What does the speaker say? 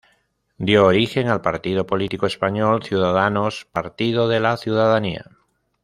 Dio origen al partido político español Ciudadanos-Partido de la Ciudadanía.